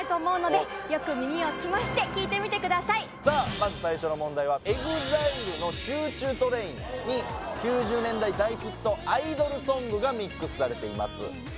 まず最初の問題はＥＸＩＬＥの「ＣｈｏｏＣｈｏｏＴＲＡＩＮ」に９０年代大ヒットアイドルソングがミックスされています